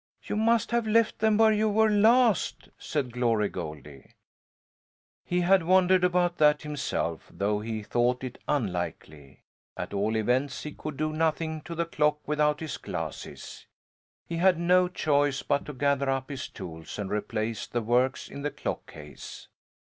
"You must have left them where you were last," said Glory Goldie. He had wondered about that himself, though he thought it unlikely. At all events he could do nothing to the clock without his glasses. He had no choice but to gather up his tools and replace the works in the clock case.